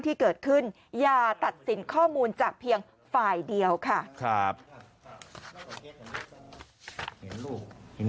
ที่เกิดขึ้นอย่าตัดสินข้อมูลจากเพียงฝ่ายเดียวค่ะ